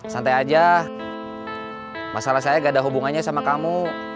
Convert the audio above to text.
santai aja masalah saya gak ada hubungannya sama kamu